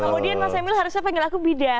kemudian mas emil harusnya panggil aku bida